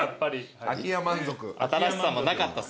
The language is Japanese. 新しさもなかったっす